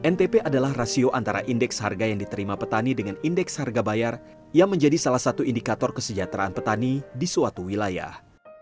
ntp adalah rasio antara indeks harga yang diterima petani dengan indeks harga bayar yang menjadi salah satu indikator kesejahteraan petani di suatu wilayah